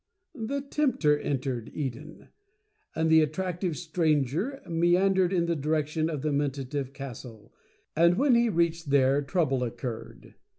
the Tempter entered Eden — and the At tractive Stranger meandered in the direction of the Mentative Castle, and when he reached there trouble occurred.